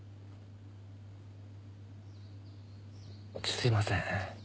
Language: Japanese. すいません。